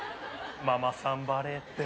ママさんバレーって。